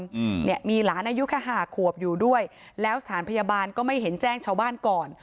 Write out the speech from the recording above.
อืมเนี่ยมีหลานอายุแค่ห้าขวบอยู่ด้วยแล้วสถานพยาบาลก็ไม่เห็นแจ้งชาวบ้านก่อน